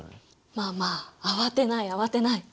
まあまあ慌てない慌てない。